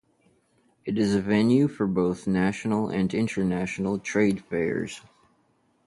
It is a venue for both national and international trade fairs.